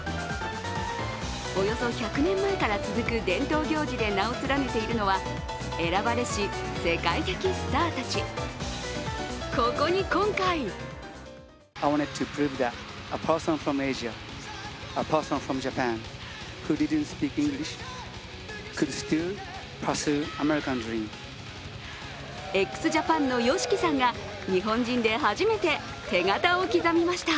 およそ１００年前から続く伝統行事で名を連ねているのは選ばれし世界的スターたちここに今回ＸＪＡＰＡＮのＹＯＳＨＩＫＩさんが日本人で初めて手形を刻みました。